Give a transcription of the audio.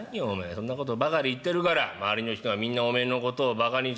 そんなことばかり言ってるから周りの人がみんなおめえのことをバカにするんだよ。